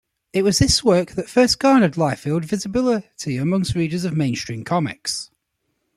It was this work that first garnered Liefeld visibility among readers of mainstream comics.